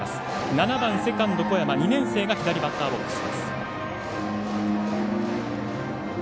７番、セカンドの小山２年生が左バッターボックス。